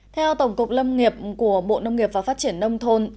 theo tổng cục lâm nghiệp của bộ nông nghiệp và phát triển nông thôn